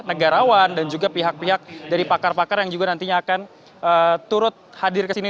negarawan dan juga pihak pihak dari pakar pakar yang juga nantinya akan turut hadir ke sini